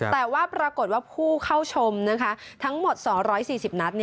แต่ว่าปรากฏว่าผู้เข้าชมทั้งหมด๒๔๐นัด